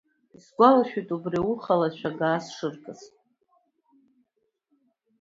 Исгәалашәоит убри ауха алашәага сшыркыз.